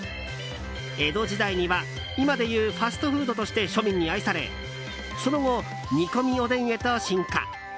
江戸時代には今でいうファストフードとして庶民に愛されその後、煮込みおでんへと進化。